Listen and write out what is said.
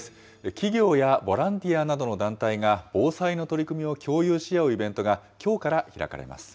企業やボランティアなどの団体が防災の取り組みを共有し合うイベントが、きょうから開かれます。